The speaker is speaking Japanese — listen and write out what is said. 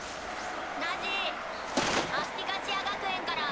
ナジアスティカシア学園から！